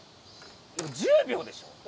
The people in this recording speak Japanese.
１０秒でしょ？